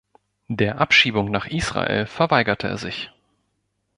Der Abschiebung nach Israel verweigerte er sich.